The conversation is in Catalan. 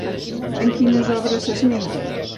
En quines obres s'esmenta?